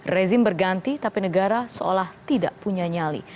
rezim berganti tapi negara seolah tidak punya nyali